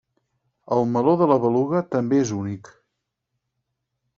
El meló de la beluga també és únic.